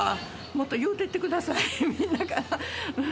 もっと言うていってください、みんなから。